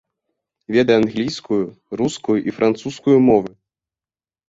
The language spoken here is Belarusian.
Ведае англійскую, рускую і французскую мовы.